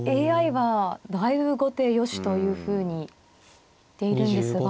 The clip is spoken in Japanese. ＡＩはだいぶ後手よしというふうに言っているんですが。